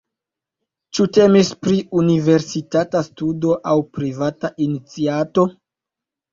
Ĉu temis pri universitata studo aŭ privata iniciato?